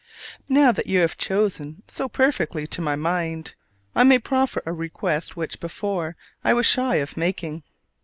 Now that you have chosen so perfectly to my mind, I may proffer a request which, before, I was shy of making.